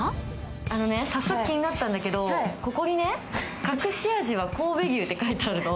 あのね、早速、気になったんだけど、ここにね、隠し味は神戸牛って書いてあるの。